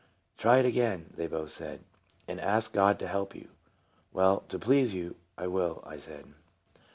" Try it again," they both said, " and ask God to help you." "Well, to please you, I will," I said.